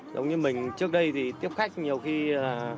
giống như mình trước đây thì tiếp khách nhiều khi